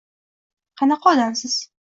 Qanaqa odamsiz?